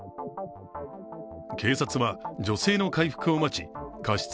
警察は、女性の回復を待ち過失